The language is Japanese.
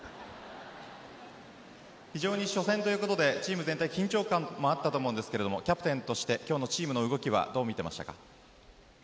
非常に初戦ということでチーム全体緊張感もあったと思うんですがキャプテンとして今日のチームの動きはどう見ていましたか？